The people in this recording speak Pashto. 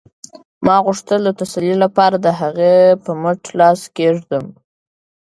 ما غوښتل د تسلۍ لپاره د هغې په مټ لاس کېږدم